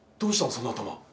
その頭。